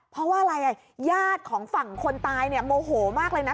เพราะว่าอะไรญาติของฝั่งคนตายเนี่ยโมโหมากเลยนะ